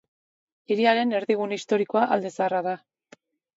Hiriaren erdigune historikoa Alde Zaharra da.